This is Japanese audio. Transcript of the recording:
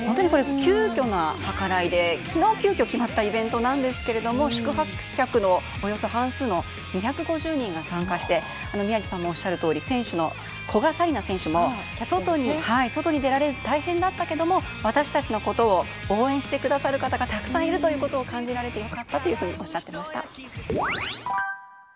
急きょな計らいで昨日、急きょ決まったイベントで宿泊客のおよそ半数の２５０人が参加して宮司さんもおっしゃるとおり古賀紗理那選手も外に出られず大変だったけども私たちのことを応援してくださる方がたくさんいるということを感じられて良かったとおっしゃっていました。